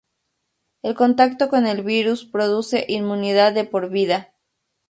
El contacto con el virus produce inmunidad de por vida.